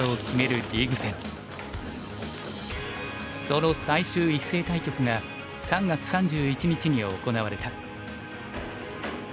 その最終一斉対局が３月３１日に行われた。